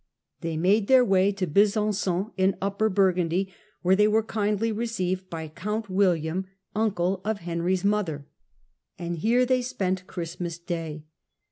They made their way to Besanpon in Upper Burgundy, where they were kindly received by count William, uncle of Henry's mother ; and here they spent Christmas day.